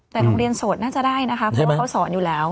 แต่โรงเรียนโสดน่าจะได้นะคะเพราะว่าเขาสอนอยู่แล้ว